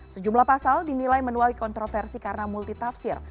sejumlah pasal dinilai menuai kontroversi karena multitafsir